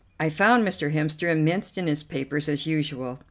I found Mr. Hemster immersed in his papers as usual.